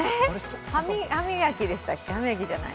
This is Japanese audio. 歯磨きでしたっけ？